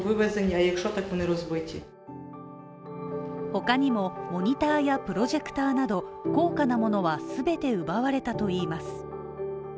他にも、モニターやプロジェクターなど、高価なものは全て奪われたといいます。